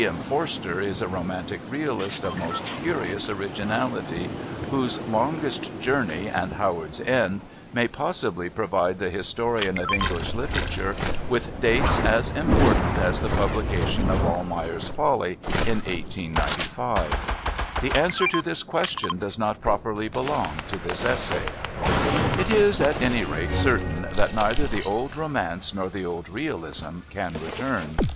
M. Forster is a romantic realist of most curious originality, whose Longest Journey and Howard's End may possibly provide the historian of English literature with dates as important as the publication of Almayer's Folly in 1895. The answer to this question does not properly belong to this essay. It is, at any rate, certain that neither the old romance nor the old realism can return.